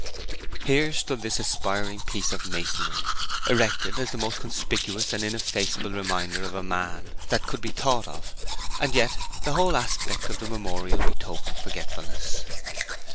Here stood this aspiring piece of masonry, erected as the most conspicuous and ineffaceable reminder of a man that could be thought of; and yet the whole aspect of the memorial betokened forgetfulness.